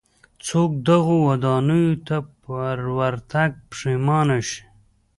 څوک دغو ودانیو ته پر ورتګ پښېمانه شي.